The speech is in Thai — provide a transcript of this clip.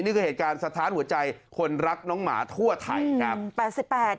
นี่คือเหตุการณ์สะท้านหัวใจคนรักน้องหมาทั่วไทยครับ